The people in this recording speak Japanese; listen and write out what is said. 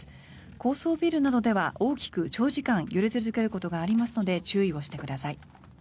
高層ビルなどでは大きく長時間揺れ続けることがありますので注意をしてください。